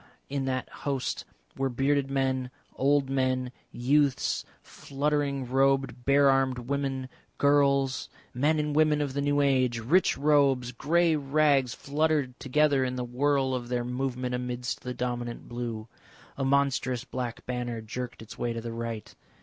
In that host were bearded men, old men, youths, fluttering robed bare armed women, girls. Men and women of the new age! Rich robes, grey rags fluttered together in the whirl of their movement amidst the dominant blue. A monstrous black banner jerked its way to the right.